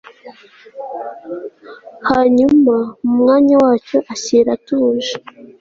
hanyuma mu mwanya wacyo ashyira atuje